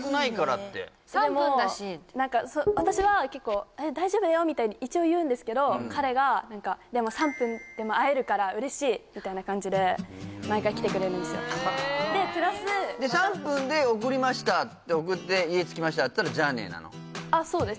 ってでも私は結構「大丈夫だよ」みたいに一応言うんですけど彼が「でも３分でも会えるから嬉しい」みたいな感じで毎回来てくれるんですよええで３分で送りましたって送って家着きましたってなったら「じゃあね」なの？あっそうです